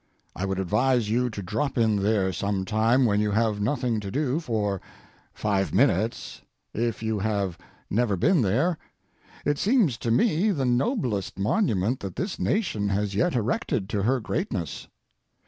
I would advise you to drop in there some time when you have nothing to do for—five minutes—if you have never been there: It seems to me the noblest monument that this nation has yet erected to her greatness.